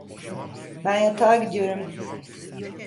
Ben yatağa gidiyorum.